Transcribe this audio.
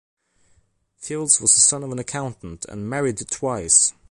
Fields was the son of an accountant and married twice.